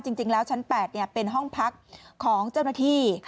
จริงแล้วชั้น๘เป็นห้องพักของเจ้าหน้าที่